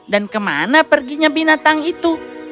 dan ke mana perginya binatang itu